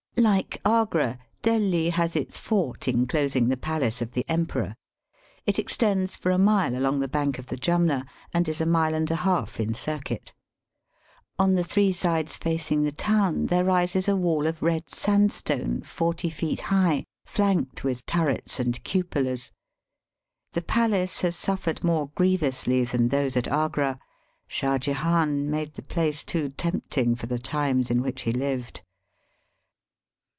Like Agra, Delhi has its fort enclosing the palace of the emperor. It extends for a mile along the bank of the Jumna and is a mile and a half in circuit. On the three sides facing the town there rises a wall of red sandstone forty feet high, flanked with turrets and cupolas. The palace has suffered more grievously than those at Agra. Shah Jehan made the place too tempting for the times in which he lived.